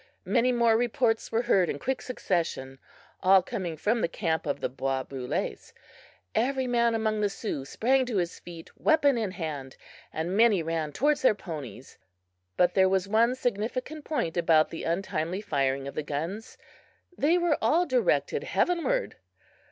Many more reports were heard in quick succession, all coming from the camp of the bois brules. Every man among the Sioux sprang to his feet, weapon in hand, and many ran towards their ponies. But there was one significant point about the untimely firing of the guns they were all directed heavenward!